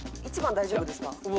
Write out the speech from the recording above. １番大丈夫ですか？